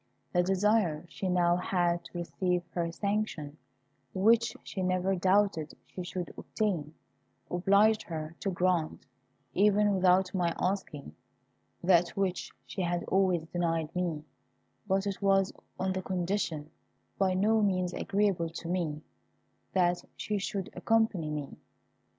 The desire she now had to receive her sanction, which she never doubted she should obtain, obliged her to grant, even without my asking, that which she had always denied me; but it was on the condition, by no means agreeable to me, that she should accompany me.